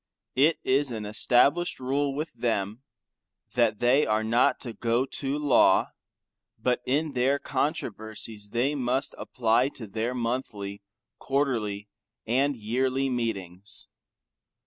It is an established rule with them, that they are not to go to law; but in their controversies they must apply to their monthly, quarterly and yearly meetings.